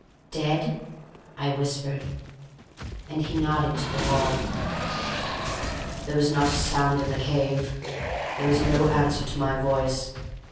"Dead?" I whispered. And he nodded to the wall. "There was not a sound in the cave. There was no answer to my voice.